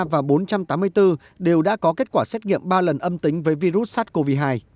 và bốn trăm tám mươi bốn đều đã có kết quả xét nghiệm ba lần âm tính với virus sars cov hai